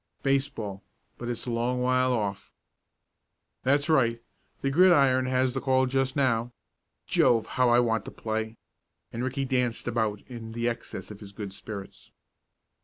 "Baseball. But it's a long while off." "That's right the gridiron has the call just now. Jove, how I want to play!" and Ricky danced about in the excess of his good spirits.